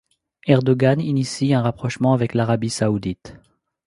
Erdoğan initie un rapprochement avec l'Arabie saoudite.